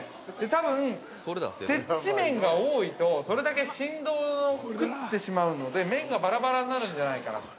多分、接地面が多いとそれだけ振動をくってしまうので麺がばらばらになるんじゃないかなと。